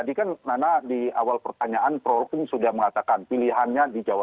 kalau soal kode tadi kan nana di awal pertanyaan prorokum sudah mengatakan pilihannya di jawa